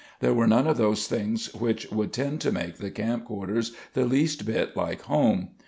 There were none of those things which would tend to make the camp quarters the least bit like home.